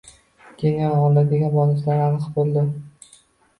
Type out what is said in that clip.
“Jenoa” oladigan bonuslar aniq bo‘ldi